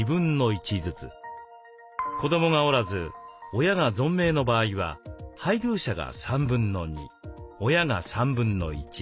子どもがおらず親が存命の場合は配偶者が2/3親が1/3。